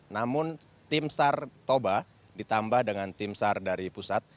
namun tim sar toba ditambah dengan tim sar dari pusat